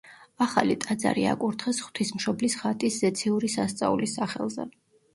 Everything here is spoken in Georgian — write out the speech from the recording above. ახალი ტაძარი აკურთხეს ღვთისმშობლის ხატის ზეციური სასწაულის სახელზე.